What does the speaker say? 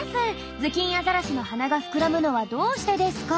「ズキンアザラシの鼻が膨らむのはどうしてですか？」。